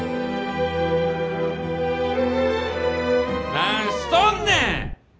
何しとんねん！